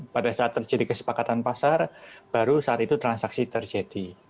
pada saat terjadi kesepakatan pasar baru saat itu transaksi terjadi